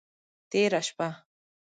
تیره شپه…